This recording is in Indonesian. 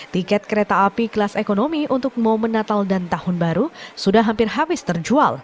tiket kereta api kelas ekonomi untuk momen natal dan tahun baru sudah hampir habis terjual